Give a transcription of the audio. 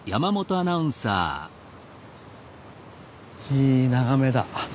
いい眺めだ。